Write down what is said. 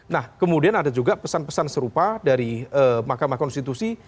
nah kemudian ada juga pesan pesan serupa dari mahkamah konstitusi